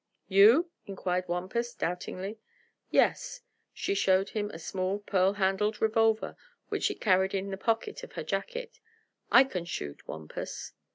"You?" inquired Wampus, doubtingly. "Yes." She showed him a small pearl handled revolver which she carried in the pocket of her jacket. "I can shoot, Wampus."